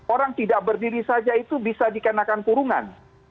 orang tidak berdiri saja itu bisa dikenakan kurungan